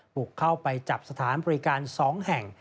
บุกเข้าไปจับสถานบริการ๒แห่ง